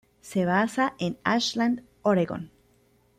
Se basa en Ashland, Oregón.